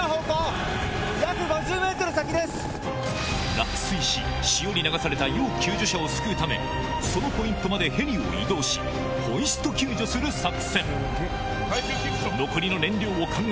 落水し潮に流された要救助者を救うためそのポイントまでヘリを移動しホイスト救助する作戦ギリギリの判断